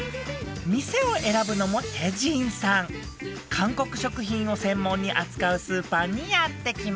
韓国食品を専門に扱うスーパーにやって来ました。